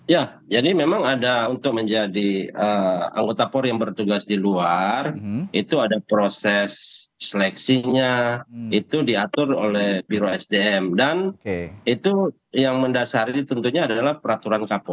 ya jadi memang ada untuk menjadi anggota polri yang bertugas di luar itu ada proses seleksinya itu diatur oleh biro sdm dan itu yang mendasari tentunya adalah peraturan kapolri